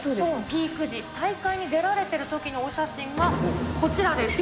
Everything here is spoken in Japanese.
ピーク時、大会に出られているときのお写真がこちらです。